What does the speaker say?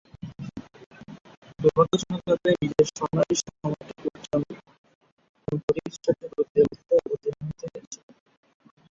দূর্ভাগ্যজনকভাবে নিজের স্বর্ণালী সময়টুকু জন এম্বুরি’র সাথে প্রতিদ্বন্দ্বিতায় অবতীর্ণ হতে হয়েছিল।